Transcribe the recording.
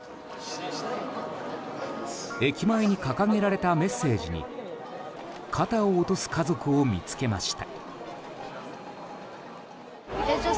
駅前に掲げられたメッセージに肩を落とす家族を見つけました。